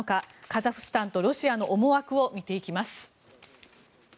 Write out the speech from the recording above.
カザフスタンとロシアの思惑を見ていきます。